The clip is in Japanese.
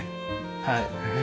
はい。